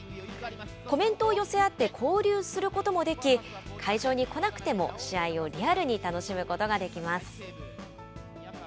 コメントを寄せ合って交流することもでき、会場に来なくても試合をリアルに楽しむことができます。